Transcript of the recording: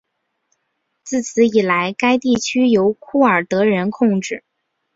自此以来该地由库尔德人控制。